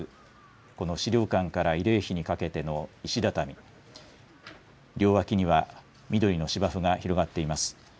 この資料館から慰霊碑にかけての石畳、両脇には緑の芝生が広がっています。